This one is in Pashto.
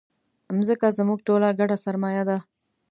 مځکه زموږ ټولو ګډه سرمایه ده.